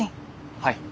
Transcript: はい。